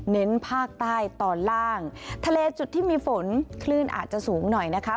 เน้นภาคใต้ตอนล่างทะเลจุดที่มีฝนคลื่นอาจจะสูงหน่อยนะคะ